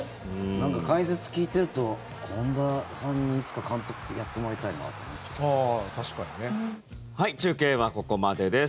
解説聞いてると本田さんに、いつか監督やってもらいたいなって思っちゃいます。